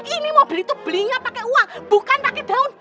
ini mobil itu belinya pake uang bukan rakyat daun